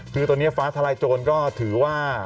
คือตอนนี้ฟ้าทลายโจรก็ถือว่า